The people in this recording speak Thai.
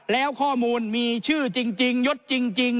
แล้วข้อมูลมีชื่อจริงยดจริง